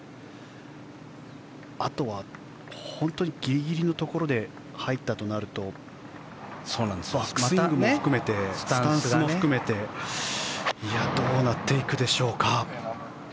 あとは、本当にギリギリのところで入ったとなるとバックスイングも含めてスタンスも含めてどうなっていくでしょうか。